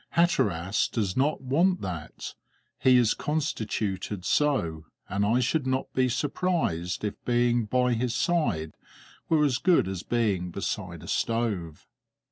Hatteras does not want that; he is constituted so, and I should not be surprised if being by his side were as good as being beside a stove."